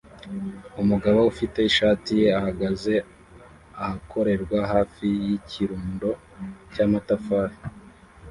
Umugabo ufite ishati ye ahagaze ahakorerwa hafi yikirundo cyamatafari